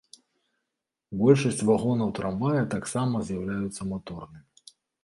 Большасць вагонаў трамвая таксама з'яўляюцца маторнымі.